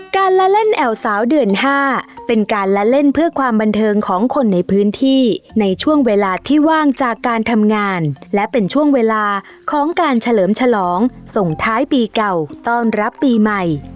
การละเล่นแอวสาวเดือน๕เป็นการละเล่นเพื่อความบันเทิงของคนในพื้นที่ในช่วงเวลาที่ว่างจากการทำงานและเป็นช่วงเวลาของการเฉลิมฉลองส่งท้ายปีเก่าต้อนรับปีใหม่